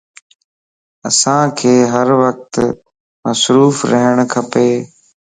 انسانک ھر وقت مصروف رھڻ کپ